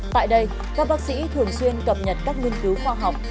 tại đây các bác sĩ thường xuyên cập nhật các nghiên cứu khoa học